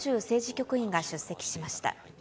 局員が出席しました。